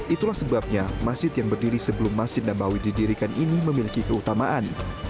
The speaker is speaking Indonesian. itulah sebabnya masjid yang berdiri sebelum masjid nabawi didirikan ini memiliki keutamaan